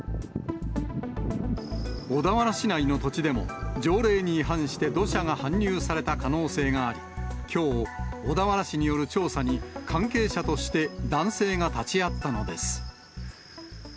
小田原市内の土地でも、条例に違反して土砂が搬入された可能性があり、きょう、小田原市による調査に、関係者として男性が立ち会ったのです。